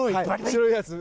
白いやつ。